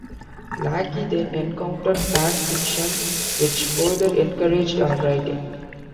Lackey then encountered fan fiction, which further encouraged her writing.